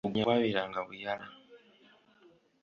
Bugoonya bwaberanga buyala.